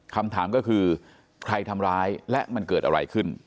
คำถามก็คือใครทำร้ายและมันเกิดอะไรขึ้น